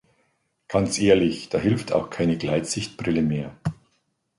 Ganz ehrlich, da hilft auch keine Gleitsichtbrille mehr.